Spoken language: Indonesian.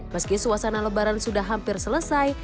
meski suasana lebaran sudah hampir selesai